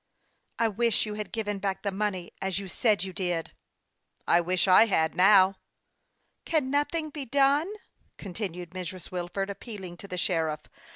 " I wish you had given back the money, as you said you did." " I wish I had now." " Can nothing be done ?" continued Mrs. Wilford, appealing to the sheriff.